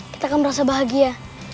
kita akan merasa bahagia